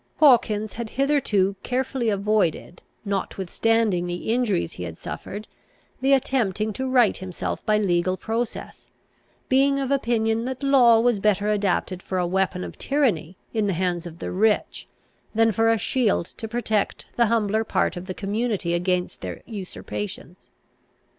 Hawkins had hitherto carefully avoided, notwithstanding the injuries he had suffered, the attempting to right himself by legal process; being of opinion that law was better adapted for a weapon of tyranny in the hands of the rich, than for a shield to protect the humbler part of the community against their usurpations.